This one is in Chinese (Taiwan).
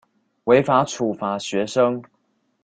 違法處罰學生